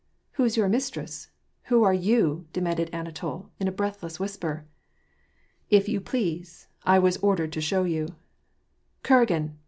'^ Who^s yoar mistress ? Who are you ?demanded Ana tol, in a br^uhless whisper. " If you please, I was ordered to show you ''— '^Euragin!